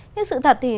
nhưng sự thật thì